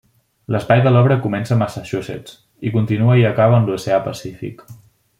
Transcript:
L'espai de l'obra comença a Massachusetts, i continua i acaba en l'Oceà Pacífic.